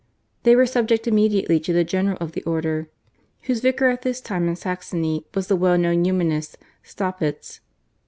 They were subject immediately to the general of the order, whose vicar at this time in Saxony was the well known Humanist, Staupitz.